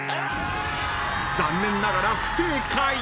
［残念ながら不正解］